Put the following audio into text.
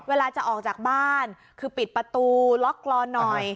เวลาจะออกจากบ้านคือปิดประตูล็อกกรอนหน่อย